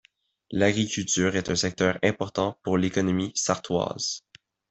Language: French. L'agriculture est un secteur important pour l'économie sarthoise.